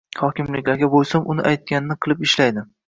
hokimliklarga bo‘ysunib, uni aytganini qilib ishlaydi.